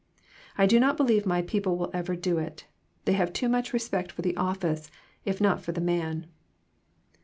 I do not believe my people will ever do it ; they have too much respect for the office, if not for the man."